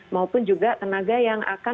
maupun juga tenaga yang akan